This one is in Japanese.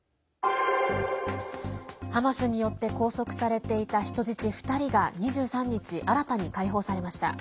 ハマスによって拘束されていた人質２人が２３日、新たに解放されました。